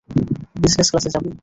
Business ক্লাসে যাবি।